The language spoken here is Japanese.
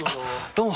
どうも。